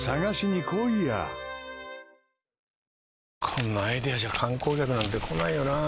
こんなアイデアじゃ観光客なんて来ないよなあ